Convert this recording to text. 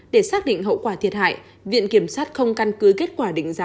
để xác định hậu quả thiệt hại viện kiểm sát không căn cứ kết quả định giá